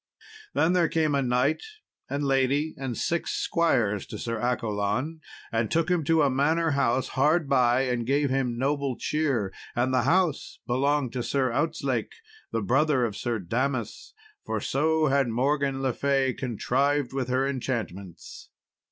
Then came a knight and lady, and six squires, to Sir Accolon, and took him to a manor house hard by, and gave him noble cheer; and the house belonged to Sir Outzlake, the brother of Sir Damas, for so had Morgan le Fay contrived with her enchantments.